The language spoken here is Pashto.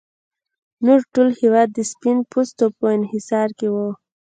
نور ټول هېواد د سپین پوستو په انحصار کې و.